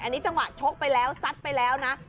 อันนี้จังหวะชกไปแล้วซัดไปแล้วนะ